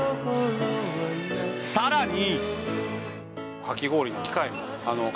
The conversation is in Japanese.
更に。